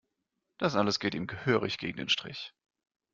Das alles geht ihm gehörig gegen den Strich.